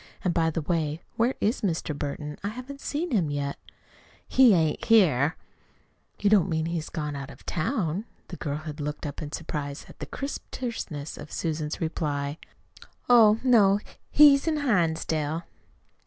"And, by the way, where is Mr. Burton? I haven't seen him yet." "He ain't here." "You don't mean he has gone out of town?" The girl had looked up in surprise at the crisp terseness of Susan's reply. "Oh, no, he's in Hinsdale."